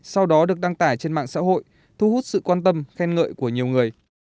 sau đó được đăng tải trên mạng xã hội thu hút sự quan tâm khen ngợi của nhiều người